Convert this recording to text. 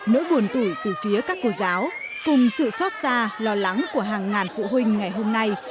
nỗi buồn tủi từ phía các cô giáo cùng sự xót xa lo lắng của hàng ngàn phụ huynh ngày hôm nay